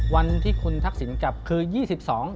วันที่คุณทักษิณกลับคือ๒๒